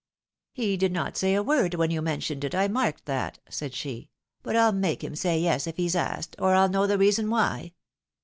" He did not say a word when you mentioned it, I marked that," said she ;" but PU make him say yes, if he's asked, or I'll know the reason why."